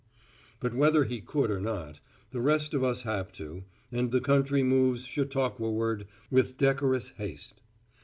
But whether he could or not, the rest of us have to, and the country moves Chautauqua ward with decorous haste.